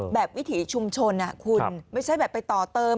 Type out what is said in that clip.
วิถีชุมชนคุณไม่ใช่แบบไปต่อเติม